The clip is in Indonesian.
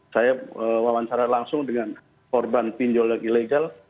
saya wawancara langsung dengan korban pinjol yang ilegal